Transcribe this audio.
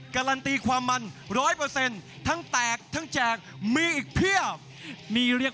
การันตีความมั่น๑๐๐ทั้งแตกทั้งแจกมีอีกเพียบ